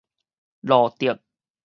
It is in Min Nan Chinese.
路竹